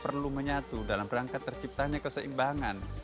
perlu menyatu dalam rangka terciptanya keseimbangan